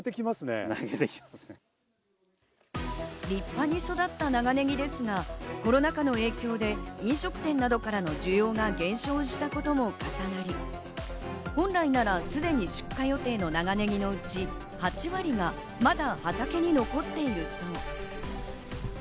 立派に育った長ネギですが、コロナ禍の影響で飲食店などからの需要が減少したことも重なり、本来ならすでに出荷予定の長ネギのうち、８割がまだ畑に残っているそう。